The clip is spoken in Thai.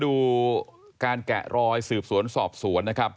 ดูการแกะรอยสืบสวนสอบสวนนะครับ